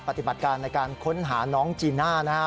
ปฏิบัติการในการค้นหาน้องจีน่านะฮะ